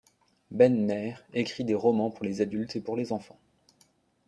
Ben-Ner écrit des romans pour les adultes et pour les enfants.